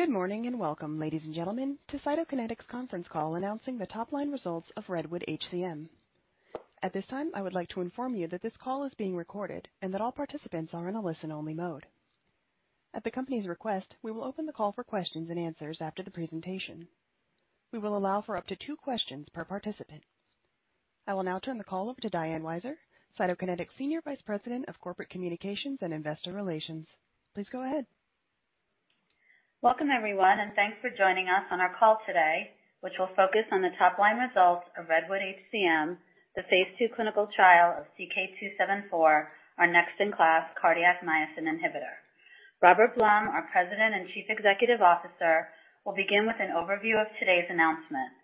Good morning, and welcome, ladies and gentlemen, to Cytokinetics conference call announcing the top line results of REDWOOD-HCM. At this time, I would like to inform you that this call is being recorded and that all participants are in a listen-only mode. At the company's request, we will open the call for questions and answers after the presentation. We will allow for up to two questions per participant. I will now turn the call over to Diane Weiser, Cytokinetics Senior Vice President of Corporate Communications and Investor Relations. Please go ahead. Welcome, everyone, and thanks for joining us on our call today, which will focus on the top-line results of REDWOOD-HCM, the phase II clinical trial of CK-274, our next-in-class cardiac myosin inhibitor. Robert Blum, our President and Chief Executive Officer, will begin with an overview of today's announcement.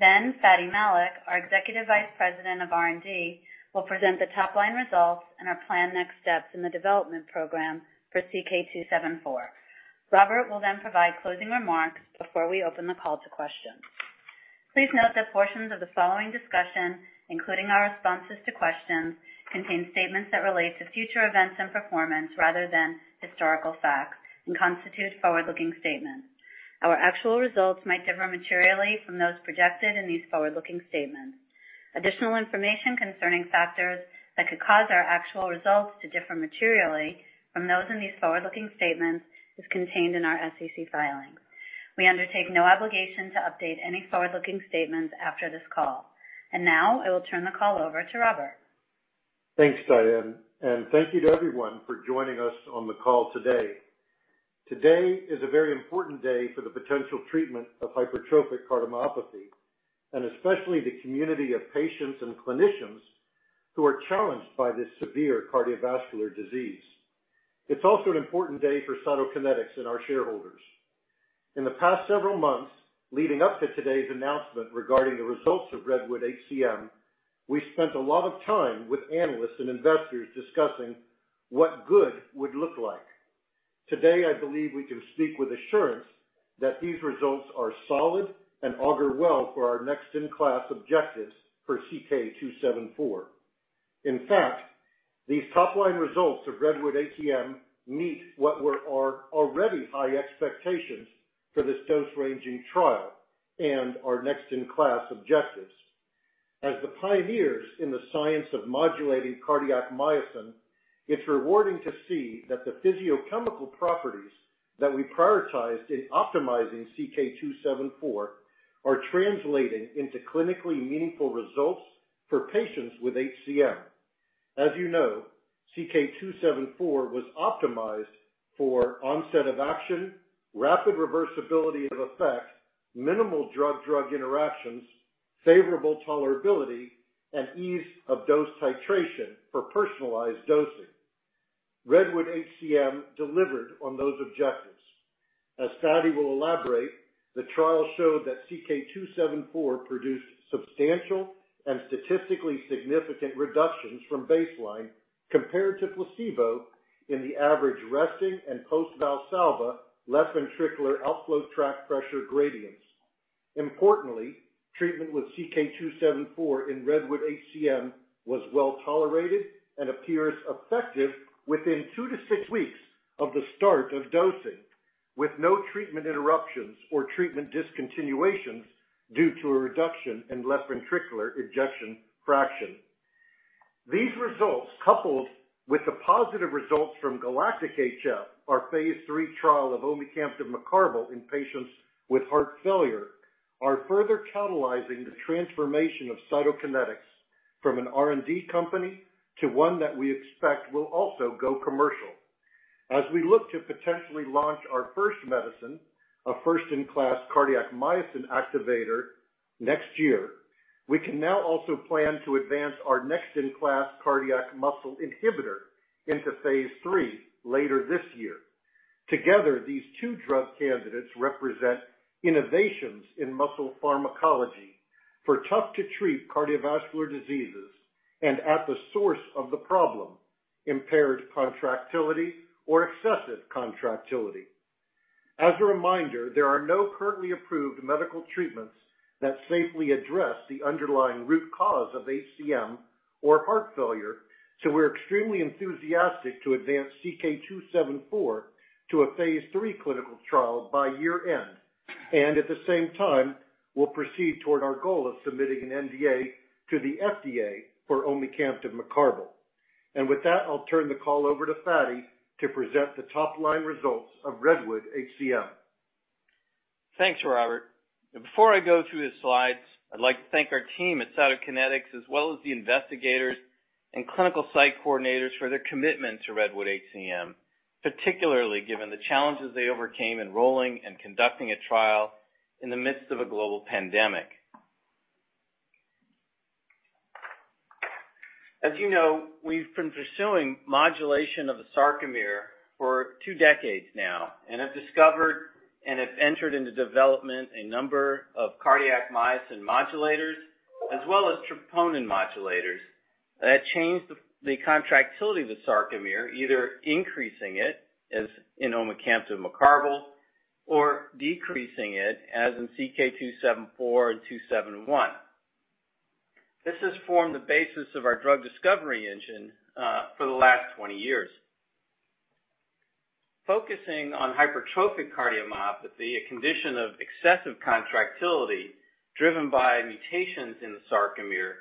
Fady Malik, our Executive Vice President of R&D, will present the top-line results and our planned next steps in the development program for CK-274. Robert will then provide closing remarks before we open the call to questions. Please note that portions of the following discussion, including our responses to questions, contain statements that relate to future events and performance rather than historical facts and constitute forward-looking statements. Our actual results might differ materially from those projected in these forward-looking statements. Additional information concerning factors that could cause our actual results to differ materially from those in these forward-looking statements is contained in our SEC filings. We undertake no obligation to update any forward-looking statements after this call. Now, I will turn the call over to Robert. Thanks, Diane. Thank you to everyone for joining us on the call today. Today is a very important day for the potential treatment of hypertrophic cardiomyopathy, and especially the community of patients and clinicians who are challenged by this severe cardiovascular disease. It's also an important day for Cytokinetics and our shareholders. In the past several months leading up to today's announcement regarding the results of REDWOOD-HCM, we spent a lot of time with analysts and investors discussing what good would look like. Today, I believe we can speak with assurance that these results are solid and augur well for our next-in-class objectives for CK-274. In fact, these top-line results of REDWOOD-HCM meet what were our already high expectations for this dose-ranging trial and our next-in-class objectives. As the pioneers in the science of modulating cardiac myosin, it's rewarding to see that the physicochemical properties that we prioritized in optimizing CK-274 are translating into clinically meaningful results for patients with HCM. As you know, CK-274 was optimized for onset of action, rapid reversibility of effect, minimal drug-drug interactions, favorable tolerability, and ease of dose titration for personalized dosing. REDWOOD-HCM delivered on those objectives. As Fady Malik will elaborate, the trial showed that CK-274 produced substantial and statistically significant reductions from baseline compared to placebo in the average resting and post-Valsalva left ventricular outflow tract pressure gradients. Importantly, treatment with CK-274 in REDWOOD-HCM was well-tolerated and appears effective within two to six weeks of the start of dosing, with no treatment interruptions or treatment discontinuations due to a reduction in left ventricular ejection fraction. These results, coupled with the positive results from GALACTIC-HF, our phase III trial of omecamtiv mecarbil in patients with heart failure, are further catalyzing the transformation of Cytokinetics from an R&D company to one that we expect will also go commercial. As we look to potentially launch our first medicine, a first-in-class cardiac myosin activator, next year, we can now also plan to advance our next-in-class cardiac myosin inhibitor into phase III later this year. Together, these two drug candidates represent innovations in muscle pharmacology for tough-to-treat cardiovascular diseases and at the source of the problem, impaired contractility or excessive contractility. As a reminder, there are no currently approved medical treatments that safely address the underlying root cause of HCM or heart failure, so we're extremely enthusiastic to advance CK-274 to a phase III clinical trial by year-end, and at the same time, we'll proceed toward our goal of submitting an NDA to the FDA for omecamtiv mecarbil. With that, I'll turn the call over to Fady to present the top-line results of REDWOOD-HCM. Thanks, Robert. Before I go through the slides, I'd like to thank our team at Cytokinetics, as well as the investigators and clinical site coordinators for their commitment to REDWOOD-HCM, particularly given the challenges they overcame enrolling and conducting a trial in the midst of a global pandemic. As you know, we've been pursuing modulation of the sarcomere for two decades now and have discovered and have entered into development a number of cardiac myosin modulators, as well as troponin modulators that change the contractility of the sarcomere, either increasing it, as in omecamtiv mecarbil, or decreasing it, as in CK-274 and CK-271. This has formed the basis of our drug discovery engine for the last 20 years. Focusing on hypertrophic cardiomyopathy, a condition of excessive contractility driven by mutations in the sarcomere.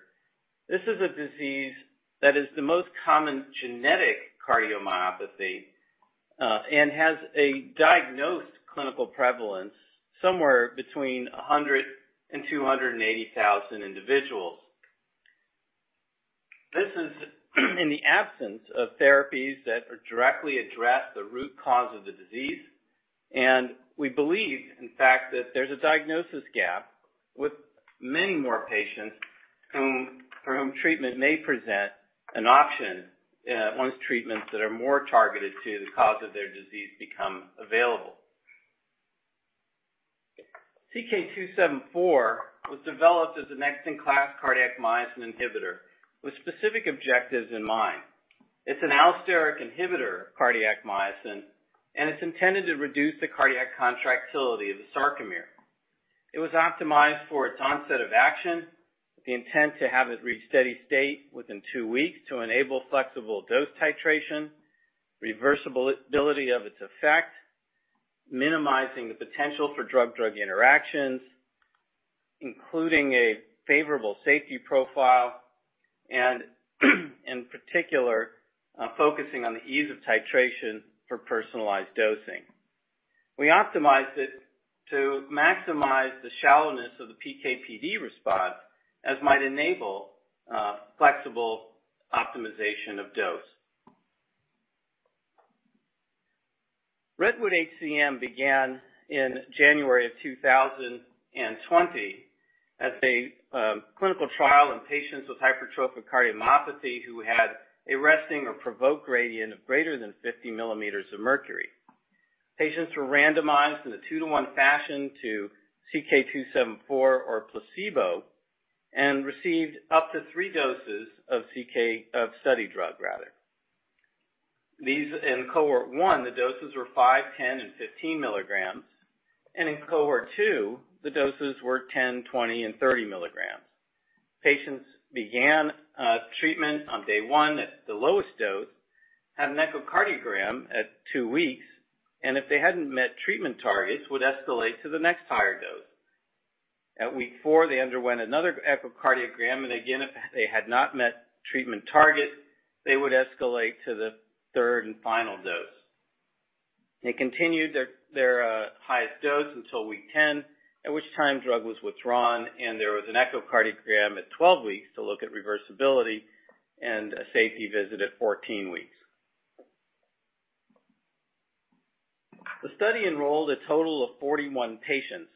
This is a disease that is the most common genetic cardiomyopathy and has a diagnosed clinical prevalence somewhere between 100,000 and 280,000 individuals. This is in the absence of therapies that directly address the root cause of the disease, and we believe, in fact, that there's a diagnosis gap with many more patients for whom treatment may present an option once treatments that are more targeted to the cause of their disease become available. CK-274 was developed as a next-in-class cardiac myosin inhibitor with specific objectives in mind. It's an allosteric inhibitor of cardiac myosin, and it's intended to reduce the cardiac contractility of the sarcomere. It was optimized for its onset of action, the intent to have it reach steady state within two weeks to enable flexible dose titration, reversibility of its effect, minimizing the potential for drug-drug interactions, including a favorable safety profile, and in particular, focusing on the ease of titration for personalized dosing. We optimized it to maximize the shallowness of the PK/PD response, as might enable flexible optimization of dose. REDWOOD-HCM began in January of 2020 as a clinical trial in patients with hypertrophic cardiomyopathy who had a resting or provoked gradient of greater than 50 millimeters of mercury. Patients were randomized in a 2:1 fashion to CK-274 or placebo, and received up to three doses of study drug. In Cohort 1, the doses were five, 10 and 15 milligrams, and in Cohort 2, the doses were 10, 20 and 30 milligrams. Patients began treatment on day one at the lowest dose, had an echocardiogram at two weeks, and if they hadn't met treatment targets, would escalate to the next higher dose. At week four, they underwent another echocardiogram, and again, if they had not met treatment targets, they would escalate to the third and final dose. They continued their highest dose until week 10, at which time drug was withdrawn and there was an echocardiogram at 12 weeks to look at reversibility, and a safety visit at 14 weeks. The study enrolled a total of 41 patients.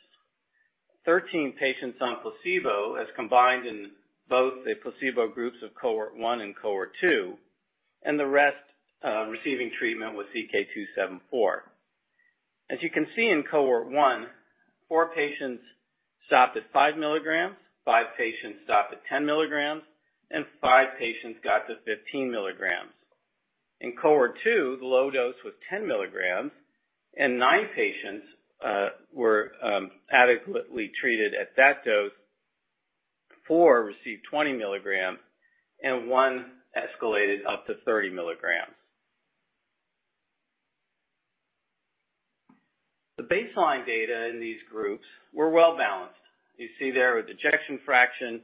13 patients on placebo, as combined in both the placebo groups of Cohort 1 and Cohort 2, and the rest receiving treatment with CK-274. As you can see in Cohort 1, 4 patients stopped at 5 milligrams, five patients stopped at 10 milligrams, and five patients got to 15 milligrams. In Cohort 2, the low dose was 10 milligrams. Nine patients were adequately treated at that dose. Four received 20 milligrams. One escalated up to 30 milligrams. The baseline data in these groups were well-balanced. You see there with ejection fraction,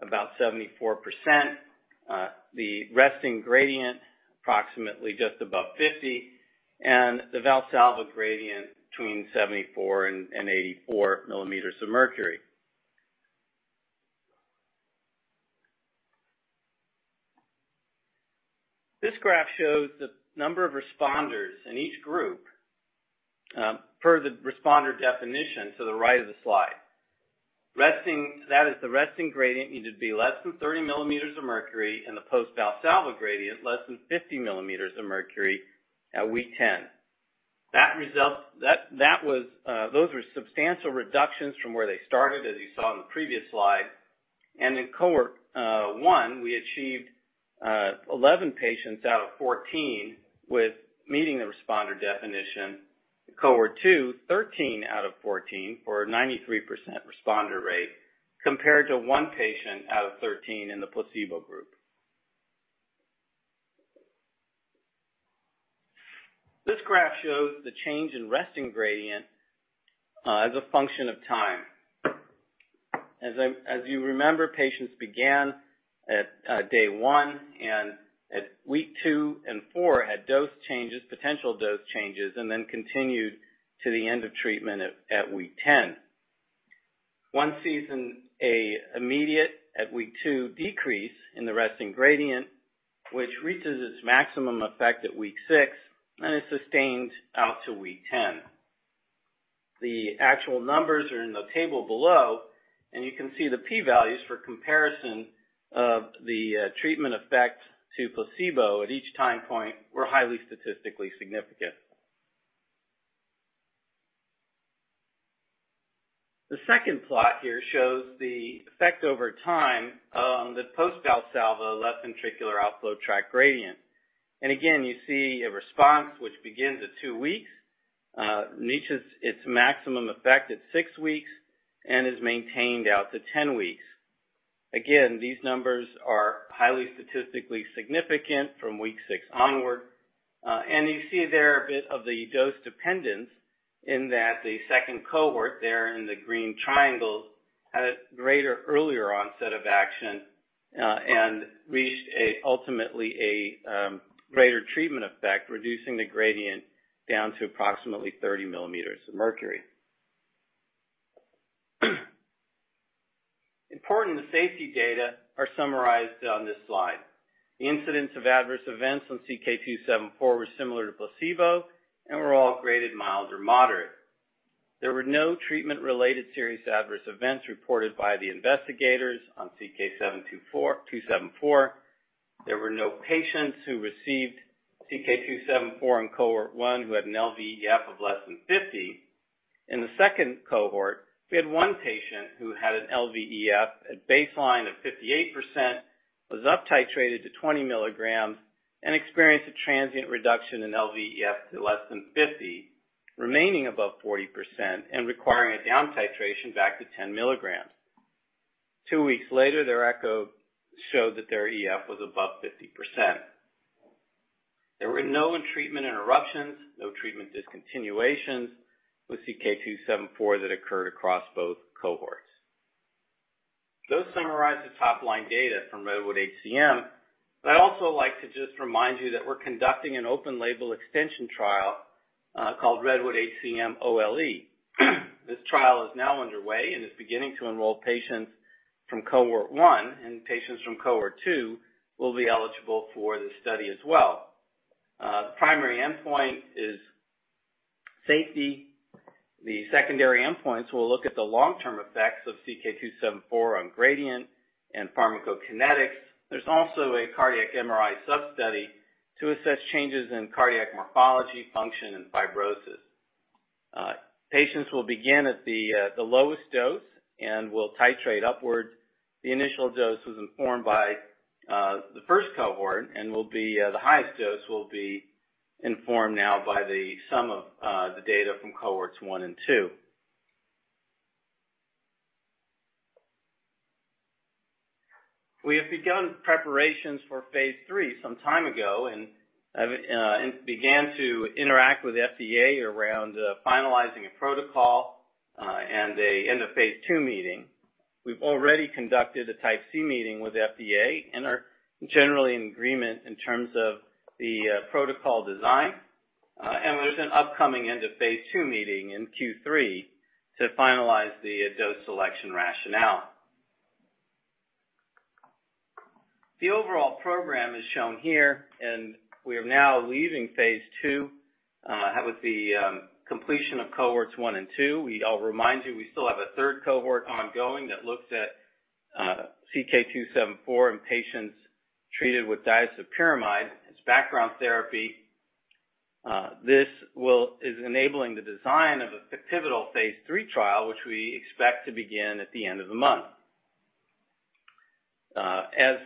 about 74%, the resting gradient approximately just above 50, and the Valsalva gradient between 74 and 84 millimeters of mercury. This graph shows the number of responders in each group, per the responder definition to the right of the slide. That is the resting gradient needed to be less than 30 millimeters of mercury and the post-Valsalva gradient less than 50 millimeters of mercury at week 10. Those were substantial reductions from where they started, as you saw in the previous slide. In Cohort 1, we achieved 11 patients out of 14 with meeting the responder definition. Cohort 2, 13 out of 14, or a 93% responder rate, compared to one patient out of 13 in the placebo group. This graph shows the change in resting gradient as a function of time. As you remember, patients began at day one, and at week two and four had potential dose changes and then continued to the end of treatment at week 10. One sees an immediate, at week two, decrease in the resting gradient, which reaches its maximum effect at week six, and it's sustained out to week 10. The actual numbers are in the table below, and you can see the P values for comparison of the treatment effect to placebo at each time point were highly statistically significant. The second plot here shows the effect over time on the post-Valsalva left ventricular outflow tract gradient. Again, you see a response which begins at two weeks, reaches its maximum effect at six weeks, and is maintained out to 10 weeks. Again, these numbers are highly statistically significant from week six onward. You see there a bit of the dose dependence in that the second Cohort there in the green triangles had a greater earlier onset of action, and reached ultimately a greater treatment effect, reducing the gradient down to approximately 30 millimeters of mercury. Important safety data are summarized on this slide. The incidence of adverse events on CK-274 were similar to placebo and were all graded mild or moderate. There were no treatment-related serious adverse events reported by the investigators on CK-274. There were no patients who received CK-274 in Cohort 1 who had an LVEF of less than 50%. In the 2nd Cohort, we had one patient who had an LVEF at baseline of 58%, was uptitrated to 20 mg, and experienced a transient reduction in LVEF to less than 50%, remaining above 40% and requiring a downtitration back to 10 mg. Two weeks later, their echo showed that their EF was above 50%. There were no treatment interruptions, no treatment discontinuations with CK-274 that occurred across both Cohorts. Those summarize the top-line data from REDWOOD-HCM. I'd also like to just remind you that we're conducting an open-label extension trial, called REDWOOD-HCM OLE. This trial is now underway and is beginning to enroll patients from Cohort 1. Patients from Cohort 2 will be eligible for this study as well. Primary endpoint is safety. The secondary endpoints will look at the long-term effects of CK-274 on gradient and pharmacokinetics. There's also a cardiac MRI substudy to assess changes in cardiac morphology, function, and fibrosis. Patients will begin at the lowest dose and will titrate upward. The initial dose was informed by the first Cohort and the highest dose will be informed now by the sum of the data from Cohorts one and two. We have begun preparations for phase III some time ago and began to interact with FDA around finalizing a protocol, and a end-of-phase II meeting. We've already conducted a Type C meeting with FDA and are generally in agreement in terms of the protocol design. There's an upcoming end-of-Phase II meeting in Q3 to finalize the dose selection rationale. The overall program is shown here, and we are now leaving phase II, with the completion of Cohorts 1 and 2. I'll remind you, we still have a third Cohort ongoing that looks at CK-274 in patients treated with disopyramide as background therapy. This is enabling the design of a pivotal phase III trial, which we expect to begin at the end of the month. As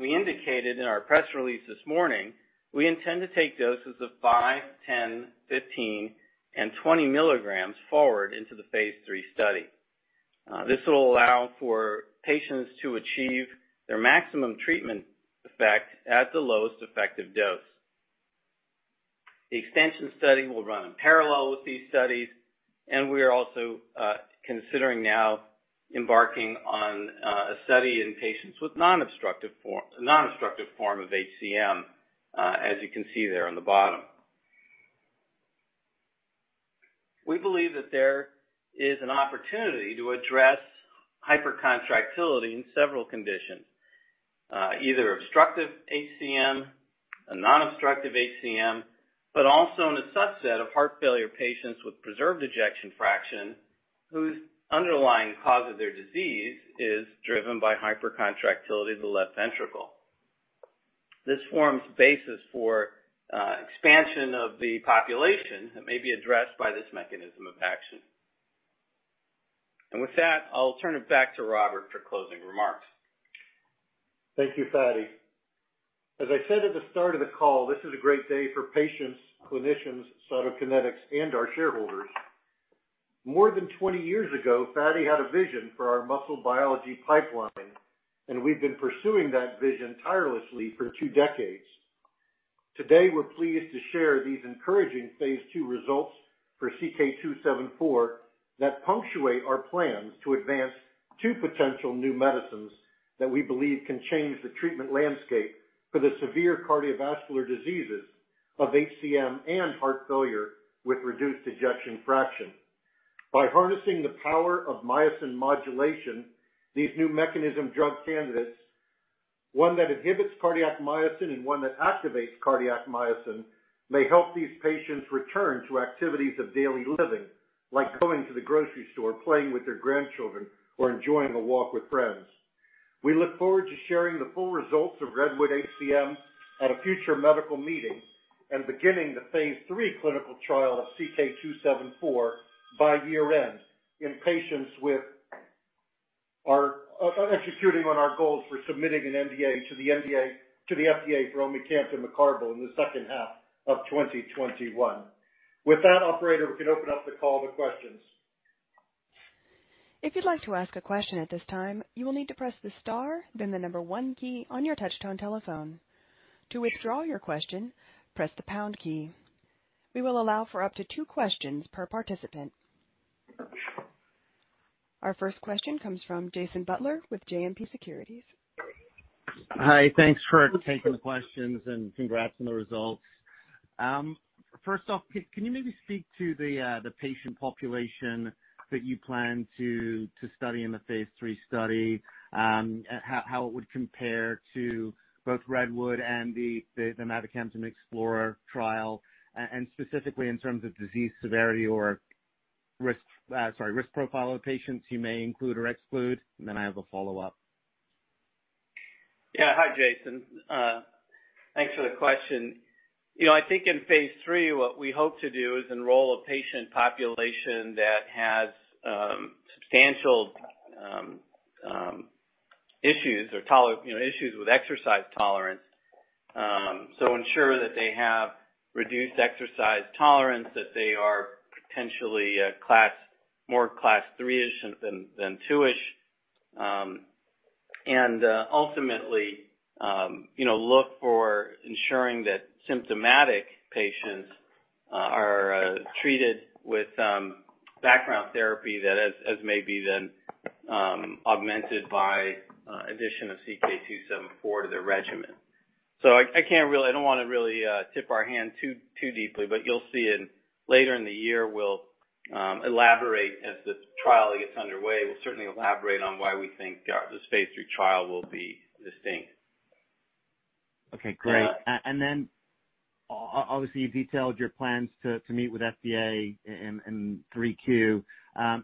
we indicated in our press release this morning, we intend to take doses of five, 10, 15, and 20 milligrams forward into the phase III study. This will allow for patients to achieve their maximum treatment effect at the lowest effective dose. The extension study will run in parallel with these studies, and we are also considering now embarking on a study in patients with non-obstructive form of HCM, as you can see there on the bottom. We believe that there is an opportunity to address hypercontractility in several conditions. Either obstructive HCM, a non-obstructive HCM, but also in a subset of heart failure patients with preserved ejection fraction, whose underlying cause of their disease is driven by hypercontractility of the left ventricle. This forms basis for expansion of the population that may be addressed by this mechanism of action. With that, I'll turn it back to Robert for closing remarks. Thank you, Fady. As I said at the start of the call, this is a great day for patients, clinicians, Cytokinetics, and our shareholders. More than 20 years ago, Fady had a vision for our muscle biology pipeline, and we've been pursuing that vision tirelessly for two decades. Today, we're pleased to share these encouraging phase II results for CK-274 that punctuate our plans to advance two potential new medicines that we believe can change the treatment landscape for the severe cardiovascular diseases of HCM and heart failure with reduced ejection fraction. By harnessing the power of myosin modulation, these new mechanism drug candidates, one that inhibits cardiac myosin and one that activates cardiac myosin, may help these patients return to activities of daily living, like going to the grocery store, playing with their grandchildren, or enjoying a walk with friends. We look forward to sharing the full results of REDWOOD-HCM at a future medical meeting and beginning the phase III clinical trial of CK-274 by year end. We are executing on our goals for submitting an NDA to the FDA for omecamtiv mecarbil in the second half of 2021. With that, operator, we can open up the call to questions. If you'd like to ask a question at this time, you will need to press the star, then the one key on your touch-tone telephone. To withdraw your question, press the pound key. We will allow for up to two questions per participant. Our first question comes from Jason Butler with JMP Securities. Hi. Thanks for taking the questions, and congrats on the results. First off, can you maybe speak to the patient population that you plan to study in the phase III study, how it would compare to both REDWOOD-HCM and the mavacamten EXPLORER-HCM trial, and specifically in terms of disease severity or risk profile of patients you may include or exclude? Then I have a follow-up. Yeah. Hi, Jason. Thanks for the question. I think in phase III, what we hope to do is enroll a patient population that has substantial issues with exercise tolerance. Ensure that they have reduced exercise tolerance, that they are potentially more class three-ish than two-ish, and ultimately, look for ensuring that symptomatic patients are treated with background therapy that as maybe then augmented by addition of CK-274 to their regimen. I don't want to really tip our hand too deeply, but you'll see later in the year, we'll elaborate as the trial gets underway. We'll certainly elaborate on why we think this phase III trial will be distinct. Okay, great. Obviously you've detailed your plans to meet with FDA in 3Q.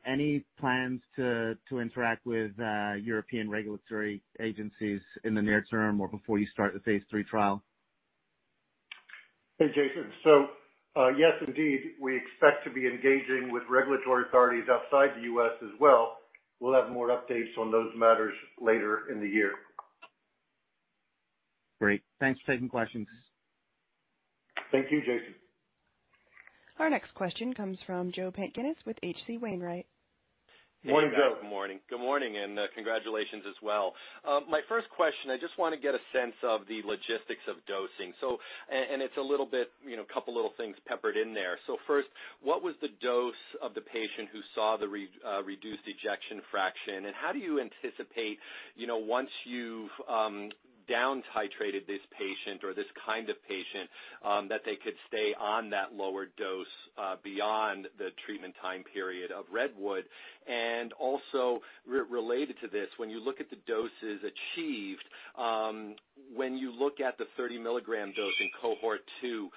Any plans to interact with European regulatory agencies in the near term or before you start the phase III trial? Hey, Jason. Yes, indeed, we expect to be engaging with regulatory authorities outside the U.S. as well. We'll have more updates on those matters later in the year. Great. Thanks for taking the questions. Thank you, Jason. Our next question comes from Joe Pantginis with H.C. Wainwright. Morning, Joe. Good morning, and congratulations as well. My first question, I just want to get a sense of the logistics of dosing. It's a couple little things peppered in there. First, what was the dose of the patient who saw the reduced ejection fraction, and how do you anticipate, once you've down titrated this patient or this kind of patient, that they could stay on that lower dose beyond the treatment time period of REDWOOD-HCM? Also related to this, when you look at the doses achieved, when you look at the 30 mg dose in Cohort 2,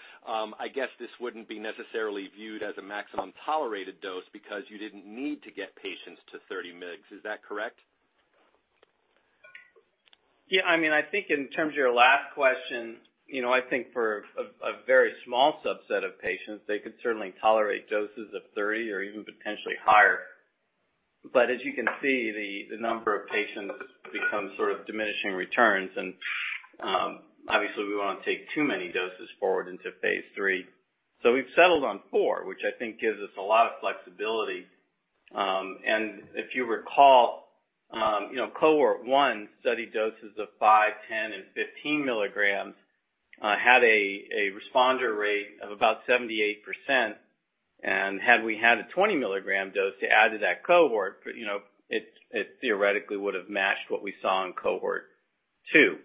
I guess this wouldn't be necessarily viewed as a maximum tolerated dose because you didn't need to get patients to 30 mgs. Is that correct? Yeah, I think in terms of your last question, I think for a very small subset of patients, they could certainly tolerate doses of 30 or even potentially higher. As you can see, the number of patients becomes sort of diminishing returns, and obviously, we won't take too many doses forward into phase III. We've settled on four, which I think gives us a lot of flexibility. If you recall, Cohort 1 studied doses of five, 10 and 15 milligrams, had a responder rate of about 78%. Had we had a 20 milligram dose to add to that Cohort, it theoretically would've matched what we saw in Cohort 2.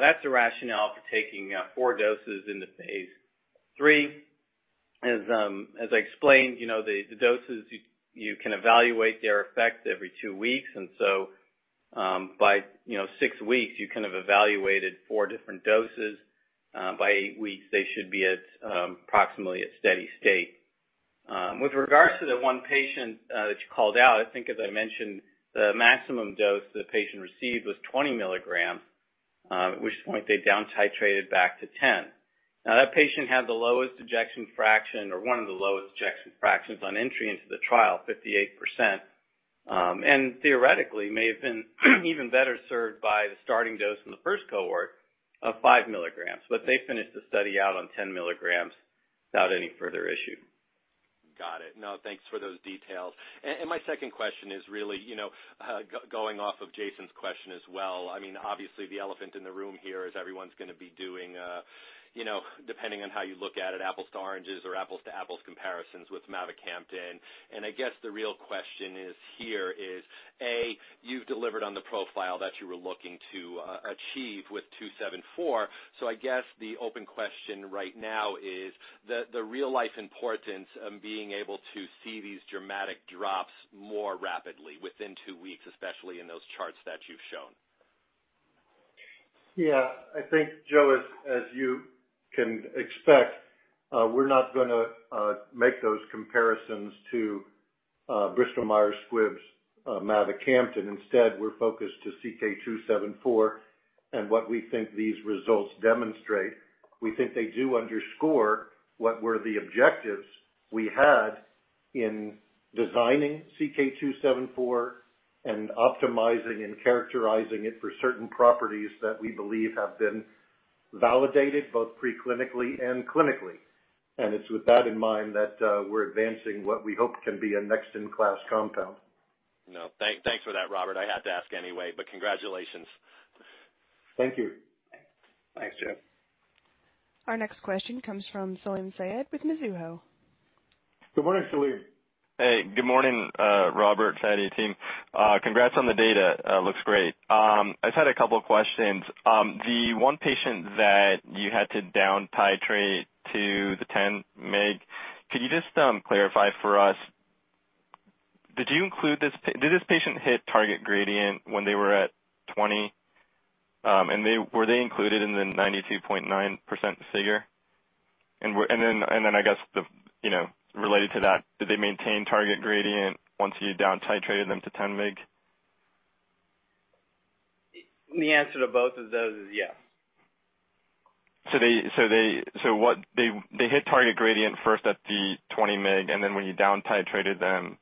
That's the rationale for taking four doses into phase III. As I explained, the doses, you can evaluate their effect every two weeks, by six weeks, you kind of evaluated four different doses. By eight weeks, they should be approximately at steady state. With regards to the one patient that you called out, I think as I mentioned, the maximum dose the patient received was 20 milligrams, at which point they down titrated back to 10. Now, that patient had the lowest ejection fraction or one of the lowest ejection fractions on entry into the trial, 58%. Theoretically, may have been even better served by the starting dose in the first Cohort of 5 milligrams. They finished the study out on 10 milligrams without any further issue. Got it. Thanks for those details. My second question is really, going off of Jason Butler's question as well. Obviously, the elephant in the room here is everyone's going to be doing, depending on how you look at it, apples to oranges or apples to apples comparisons with mavacamten. I guess the real question here is, A, you've delivered on the profile that you were looking to achieve with 274. I guess the open question right now is the real-life importance of being able to see these dramatic drops more rapidly within two weeks, especially in those charts that you've shown. Yeah. I think, Joe, as you can expect, we're not going to make those comparisons to Bristol Myers Squibb's mavacamten. Instead, we're focused to CK-274. What we think these results demonstrate, we think they do underscore what were the objectives we had in designing CK-274 and optimizing and characterizing it for certain properties that we believe have been validated both preclinically and clinically. It's with that in mind that we're advancing what we hope can be a next-in-class compound. No, thanks for that, Robert. I had to ask anyway, but congratulations. Thank you. Thanks, Joe. Our next question comes from Salim Syed with Mizuho. Good morning, Salim. Hey, good morning, Robert, Fady, team. Congrats on the data. Looks great. I just had a couple questions. The one patient that you had to down titrate to the 10 mg, could you just clarify for us, did this patient hit target gradient when they were at 20? Were they included in the 92.9% figure? I guess, related to that, did they maintain target gradient once you down titrated them to 10 mg? The answer to both of those is yes. They hit target gradient first at the 20 mg, and then when you down titrated them.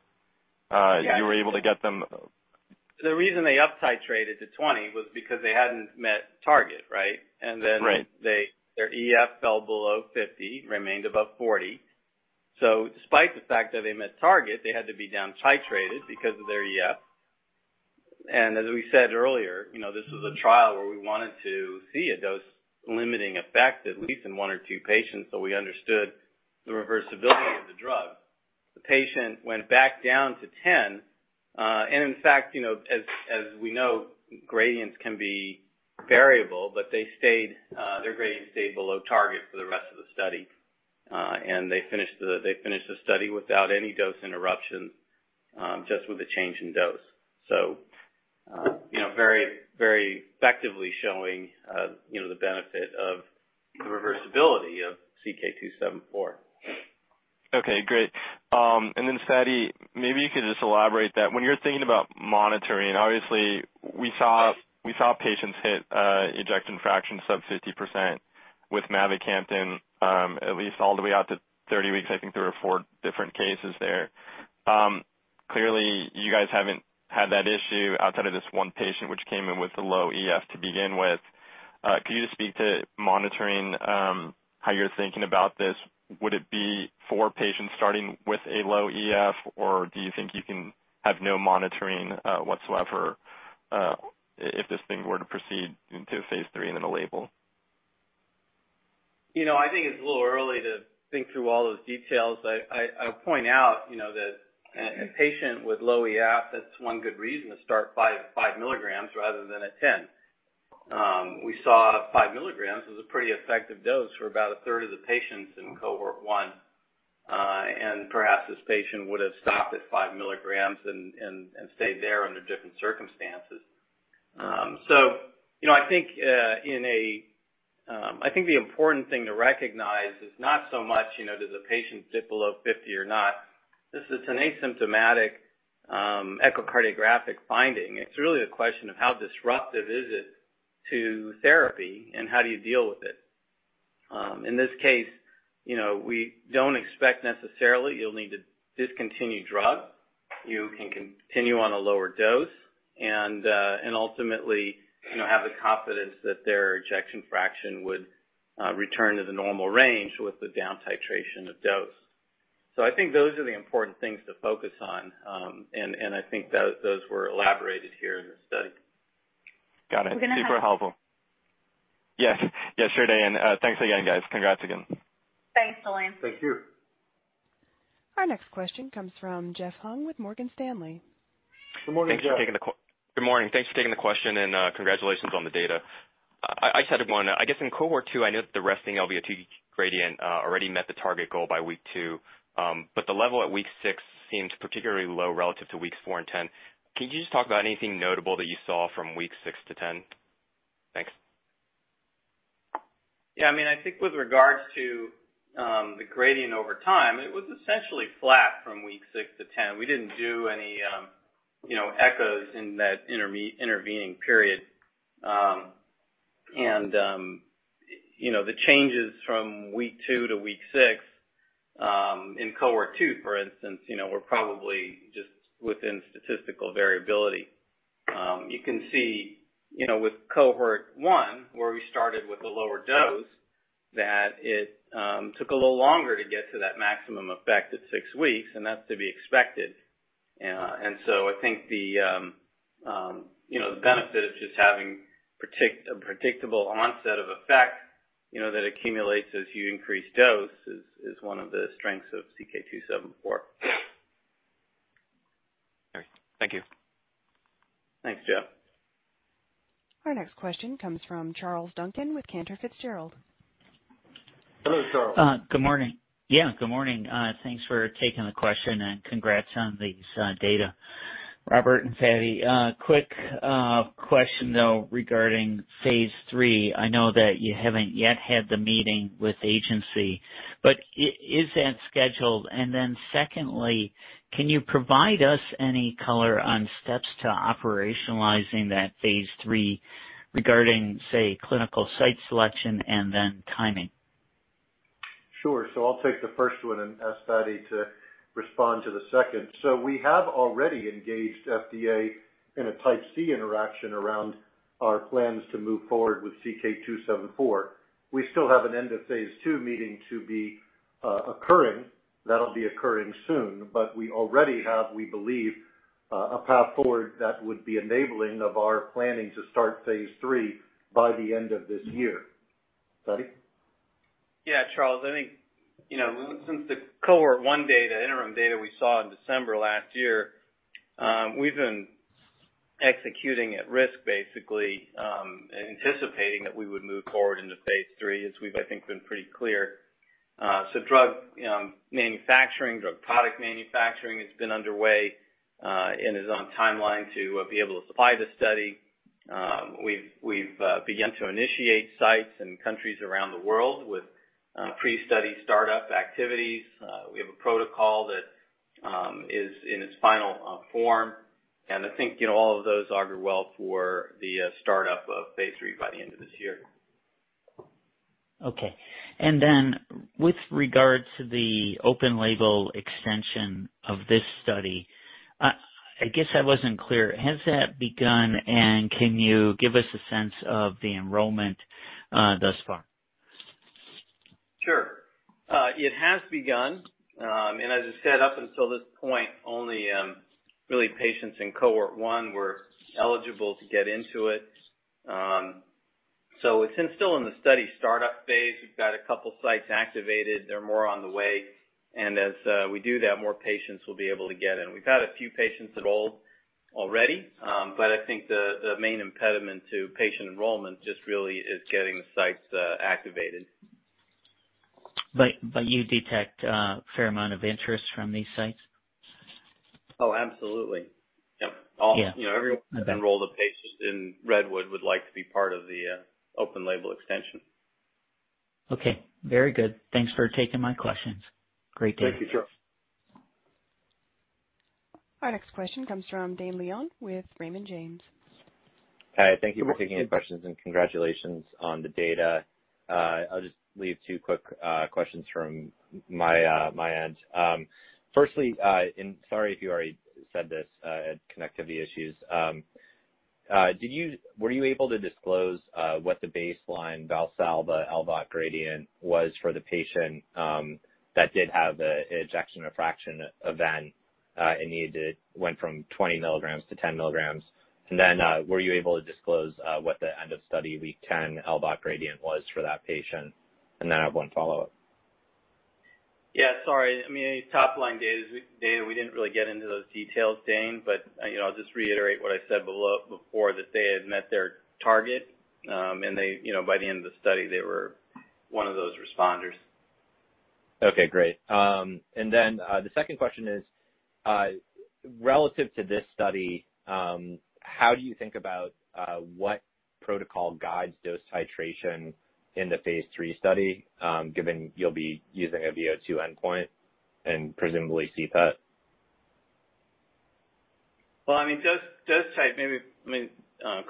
Yes. You were able to get them. The reason they up titrated to 20 was because they hadn't met target, right? Right. Their EF fell below 50, remained above 40. Despite the fact that they met target, they had to be down titrated because of their EF. As we said earlier, this was a trial where we wanted to see a dose-limiting effect, at least in one or two patients, so we understood the reversibility of the drug. The patient went back down to 10. In fact, as we know, gradients can be variable, but their gradient stayed below target for the rest of the study. They finished the study without any dose interruptions, just with a change in dose. Very effectively showing the benefit of the reversibility of CK-274. Okay, great. Fady, maybe you could just elaborate that when you're thinking about monitoring, obviously we saw patients hit ejection fraction sub 50% with mavacamten, at least all the way out to 30 weeks. I think there were four different cases there. Clearly, you guys haven't had that issue outside of this one patient, which came in with the low EF to begin with. Could you just speak to monitoring, how you're thinking about this? Would it be four patients starting with a low EF, or do you think you can have no monitoring whatsoever if this thing were to proceed into a phase III and then a label? I think it's a little early to think through all those details. I'll point out that a patient with low EF, that's one good reason to start 5 milligrams rather than at 10. We saw 5 milligrams was a pretty effective dose for about a third of the patients in Cohort 1. Perhaps this patient would've stopped at 5 milligrams and stayed there under different circumstances. I think the important thing to recognize is not so much, does a patient dip below 50 or not? This is an asymptomatic echocardiographic finding. It's really a question of how disruptive is it to therapy and how do you deal with it. In this case, we don't expect necessarily you'll need to discontinue drug. You can continue on a lower dose and, ultimately, have the confidence that their ejection fraction would return to the normal range with the down titration of dose. I think those are the important things to focus on, and I think those were elaborated here in this study. Got it. We're going to have. Super helpful. Yes, sure Dane. Thanks again, guys. Congrats again. Thanks, Salim. Thank you. Our next question comes from Jeff Hung with Morgan Stanley. Good morning, Jeff. Thanks for taking the call. Good morning. Thanks for taking the question and congratulations on the data. I just had one. I guess in Cohort 2, I know that the resting LVOT gradient already met the target goal by week 2. The level at week six seems particularly low relative to weeks four and 10. Can you just talk about anything notable that you saw from weeks six to 10? Thanks. Yeah, I think with regards to the gradient over time, it was essentially flat from week six to 10. We didn't do any echoes in that intervening period. The changes from week two to week six, in Cohort 2, for instance, were probably just within statistical variability. You can see, with Cohort 1, where we started with the lower dose, that it took a little longer to get to that maximum effect at six weeks, and that's to be expected. I think the benefit of just having a predictable onset of effect that accumulates as you increase dose is one of the strengths of CK-274. All right. Thank you. Thanks, Jeff. Our next question comes from Charles Duncan with Cantor Fitzgerald. Hello, Charles. Good morning. Yeah, good morning. Thanks for taking the question and congrats on these data. Robert and Fady, quick question though regarding phase III. I know that you haven't yet had the meeting with FDA, but is that scheduled? Secondly, can you provide us any color on steps to operationalizing that phase III regarding, say, clinical site selection and then timing? Sure. I'll take the first one and ask Fady to respond to the second. We have already engaged FDA in a Type C interaction around our plans to move forward with CK-274. We still have an end of phase II meeting to be occurring. That'll be occurring soon. We already have, we believe, a path forward that would be enabling of our planning to start phase III by the end of this year. Fady? Yeah, Charles, I think since the Cohort 1 data, interim data we saw in December last year, we've been executing at risk, basically, and anticipating that we would move forward into phase III, as we've, I think, been pretty clear. Drug manufacturing, drug product manufacturing has been underway, and is on timeline to be able to supply the study. We've begun to initiate sites in countries around the world with pre-study startup activities. We have a protocol that is in its final form, and I think all of those augur well for the startup of phase III by the end of this year. Okay. With regard to the open label extension of this study, I guess I wasn't clear, has that begun, and can you give us a sense of the enrollment thus far? Sure. It has begun. As I said, up until this point, only patients in Cohort 1 were eligible to get into it. It's still in the study startup phase. We've got a couple sites activated. There are more on the way. As we do that, more patients will be able to get in. We've had a few patients enroll already. I think the main impediment to patient enrollment just really is getting the sites activated. You detect a fair amount of interest from these sites? Oh, absolutely. Yep. Yeah. Okay. Everyone who enrolled a patient in REDWOOD would like to be part of the Open-label Extension. Okay. Very good. Thanks for taking my questions. Great day. Thank you, Charles. Our next question comes from Dane Leone with Raymond James. Hi. Thank you for taking the questions and congratulations on the data. I'll just leave two quick questions from my end. Firstly, sorry if you already said this, I had connectivity issues. Were you able to disclose what the baseline Valsalva LVOT gradient was for the patient that did have the ejection fraction event, and went from 20 mg to 10 mg? Then, were you able to disclose what the end of study week 10 LVOT gradient was for that patient? Then I have 1 follow-up. Yeah. Sorry. In these top-line data, we didn't really get into those details, Dane Leone. I'll just reiterate what I said before, that they had met their target. By the end of the study, they were one of those responders. Okay. Great. The second question is, relative to this study, how do you think about what protocol guides dose titration in the phase III study, given you'll be using a VO2 endpoint and presumably CPET? Well,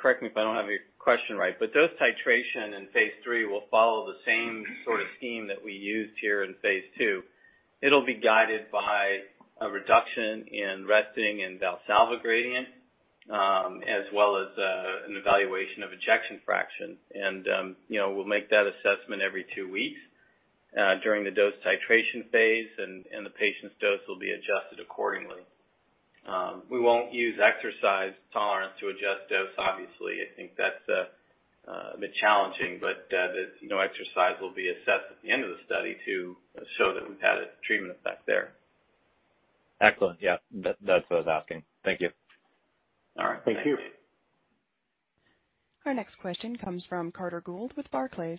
correct me if I don't have your question right, but dose titration in phase III will follow the same sort of scheme that we used here in phase II. It'll be guided by a reduction in resting and Valsalva gradient, as well as an evaluation of ejection fraction. We'll make that assessment every two weeks during the dose titration phase, and the patient's dose will be adjusted accordingly. We won't use exercise tolerance to adjust dose, obviously. I think that's a bit challenging, but no exercise will be assessed at the end of the study to show that we've had a treatment effect there. Excellent. Yeah. That's what I was asking. Thank you. All right. Thank you. Our next question comes from Carter Gould with Barclays.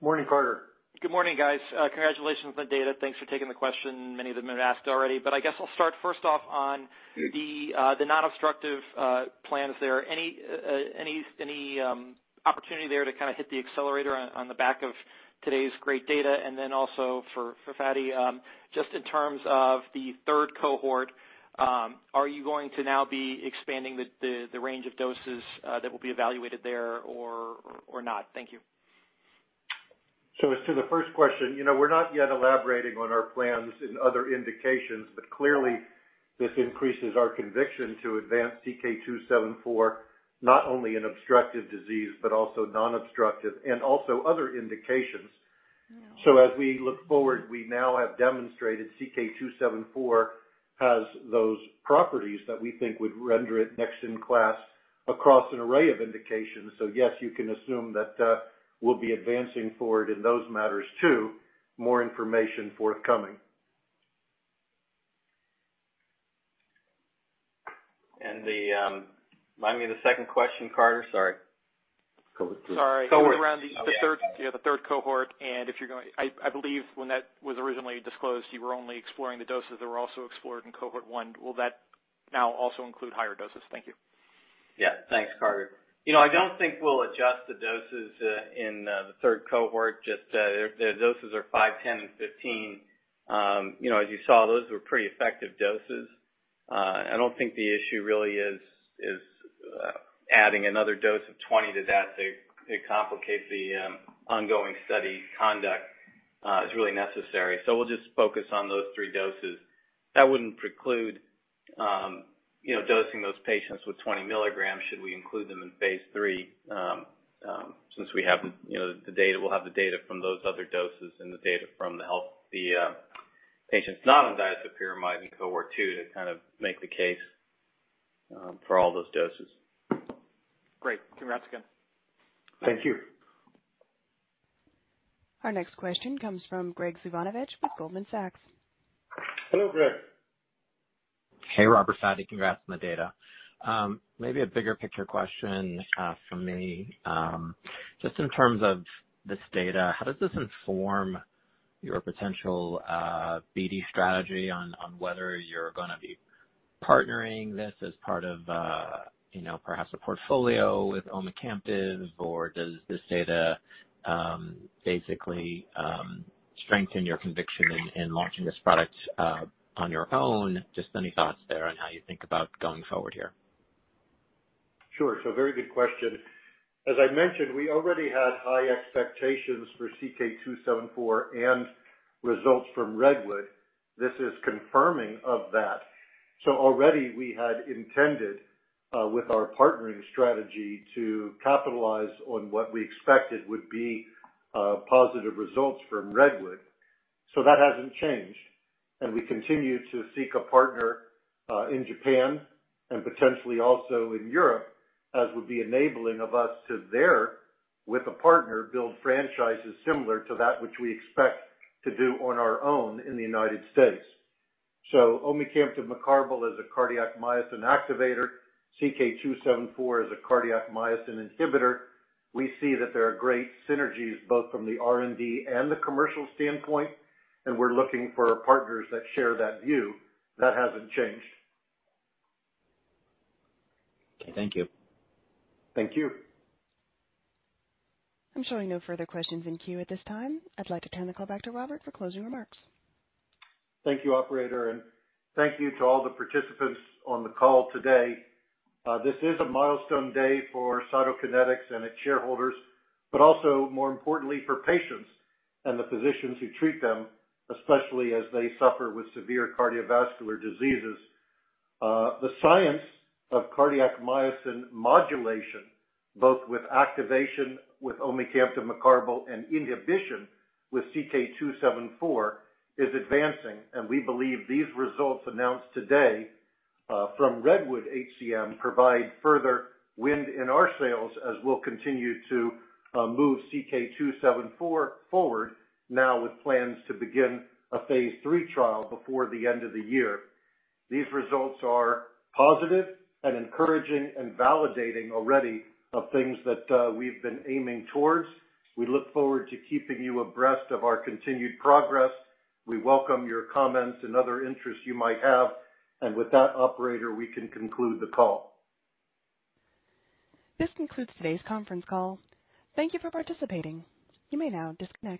Morning, Carter. Good morning, guys. Congratulations on the data. Thanks for taking the question. Many of them have been asked already, but I guess I'll start first off on the non-obstructive plans. Is there any opportunity there to kind of hit the accelerator on the back of today's great data? Then also for Fady, just in terms of the third Cohort, are you going to now be expanding the range of doses that will be evaluated there or not? Thank you. As to the first question, we're not yet elaborating on our plans in other indications, but clearly this increases our conviction to advance CK-274 not only in obstructive disease, but also non-obstructive and also other indications. As we look forward, we now have demonstrated CK-274 has those properties that we think would render it next in class across an array of indications. Yes, you can assume that we'll be advancing forward in those matters too. More information forthcoming. Remind me of the second question, Carter. Sorry. Sorry. It was around the third Cohort, and I believe when that was originally disclosed, you were only exploring the doses that were also explored in Cohort 1. Will that now also include higher doses? Thank you. Yeah. Thanks, Carter. I don't think we'll adjust the doses in the Cohort 3. The doses are five, 10 and 15. As you saw, those were pretty effective doses. I don't think the issue really is adding another dose of 20 to that to complicate the ongoing study conduct is really necessary. We'll just focus on those three doses. That wouldn't preclude dosing those patients with 20 milligrams should we include them in phase III, since we'll have the data from those other doses and the data from the patients not on disopyramide Cohort 2 to kind of make the case for all those doses. Great. Congrats again. Thank you. Our next question comes from Graig Suvannavejh with Goldman Sachs. Hello, Graig. Hey, Robert Fady. Congrats on the data. Maybe a bigger picture question from me. Just in terms of this data, how does this inform your potential BD strategy on whether you're going to be partnering this as part of perhaps a portfolio with omecamtiv, or does this data basically strengthen your conviction in launching this product on your own? Just any thoughts there on how you think about going forward here. Sure. Very good question. As I mentioned, we already had high expectations for CK-274 and results from REDWOOD-HCM. This is confirming of that. Already we had intended, with our partnering strategy, to capitalize on what we expected would be positive results from REDWOOD-HCM. That hasn't changed. We continue to seek a partner in Japan and potentially also in Europe as would be enabling of us to there, with a partner, build franchises similar to that which we expect to do on our own in the U.S. Omecamtiv mecarbil is a cardiac myosin activator. CK-274 is a cardiac myosin inhibitor. We see that there are great synergies both from the R&D and the commercial standpoint, and we're looking for partners that share that view. That hasn't changed. Okay, thank you. Thank you. I'm showing no further questions in queue at this time. I'd like to turn the call back to Robert for closing remarks. Thank you, operator. Thank you to all the participants on the call today. This is a milestone day for Cytokinetics and its shareholders, also, more importantly for patients and the physicians who treat them, especially as they suffer with severe cardiovascular diseases. The science of cardiac myosin modulation, both with activation with omecamtiv mecarbil and inhibition with CK-274, is advancing. We believe these results announced today from REDWOOD-HCM provide further wind in our sails as we'll continue to move CK-274 forward now with plans to begin a phase III trial before the end of the year. These results are positive and encouraging and validating already of things that we've been aiming towards. We look forward to keeping you abreast of our continued progress. We welcome your comments and other interests you might have. With that, operator, we can conclude the call. This concludes today's conference call. Thank you for participating. You may now disconnect.